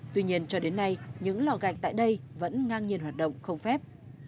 tuy nhiên cho đến nay những lò gạch tại đây vẫn ngang nhiên hoạt động không phép